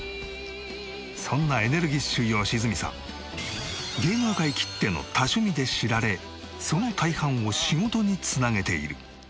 そんなエネルギッシュ良純さん芸能界きっての多趣味で知られその大半を仕事に繋げている。